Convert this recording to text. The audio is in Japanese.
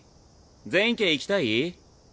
禪院家行きたい？